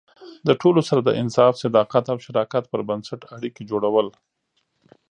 د ټولو سره د انصاف، صداقت او شراکت پر بنسټ اړیکې جوړول.